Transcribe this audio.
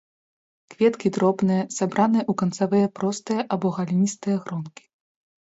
Кветкі дробныя, сабраныя ў канцавыя простыя або галінастыя гронкі.